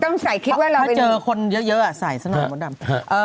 ต้องใส่คิดว่าเราถ้าเจอคนเยอะใส่ซะหน่อยมดดำ